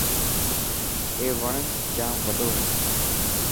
اي وڻ ڄام وڏو هي.